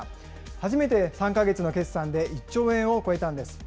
初めて３か月の決算で１兆円を超えたんです。